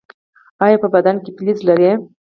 ایا په بدن کې فلز لرئ؟